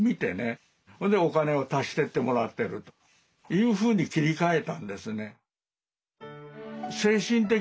それでお金を足してってもらってるというふうに切り替えたんですね。